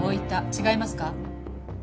違いますか？